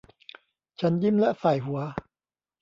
ฉันยิ้มและส่ายหัว